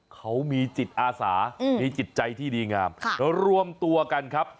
เขามีจิตอาสามีจิตใจที่ดีงามรวมตัวกันครับ